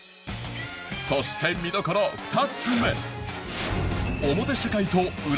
そして見どころ２つ目